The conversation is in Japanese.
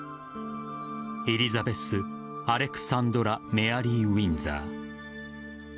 エリザベス・アレクサンドラ・メアリー・ウィンザー。